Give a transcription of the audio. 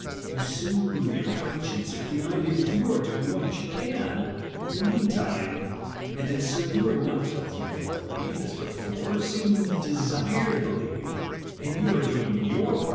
You soothe your conscience with the idea that you are doing what you can, in the mean time, and that so you are not guilty of unbelief, as before, seeing you desire to believe, and axe doing your par ■.